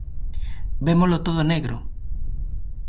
Vémolo todo negro.